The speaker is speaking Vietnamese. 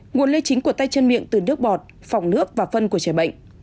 nguồn lây chính của tay chân miệng từ nước bọt phòng nước và phân của trẻ bệnh